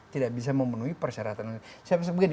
tidak bisa memenuhi persyaratan